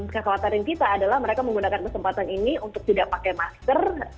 kekhawatiran kita adalah mereka menggunakan kesempatan ini untuk tidak pakai masker